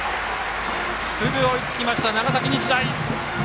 すぐ追いつきました、長崎日大。